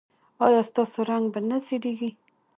ایا ستاسو رنګ به نه زیړیږي؟